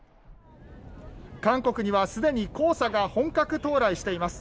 韓国には、すでに黄砂が本格到来しています。